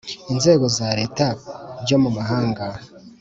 inzego za Leta byo mu mahanga